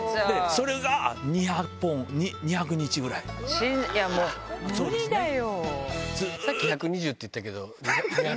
それが２００本、２００日ぐいや、もう、無理だよ。